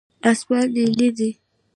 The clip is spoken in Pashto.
اسمان نیلي دی.